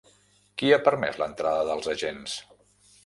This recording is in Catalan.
Qui ha permès l'entrada dels agents?